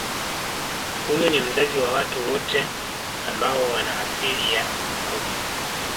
Huyu ni mzazi wa watu wote ambao wana asili ya Ukurya